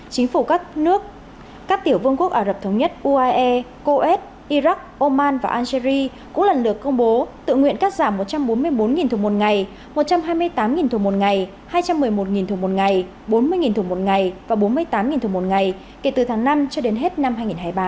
chính phủ các nước các tiểu vương quốc ả rập thống nhất uae coes iraq oman và algeria cũng lần lượt công bố tự nguyện cắt giảm một trăm bốn mươi bốn thùng một ngày một trăm hai mươi tám thùng một ngày hai trăm một mươi một thùng một ngày bốn mươi thùng một ngày và bốn mươi tám thùng một ngày kể từ tháng năm cho đến hết năm hai nghìn hai mươi ba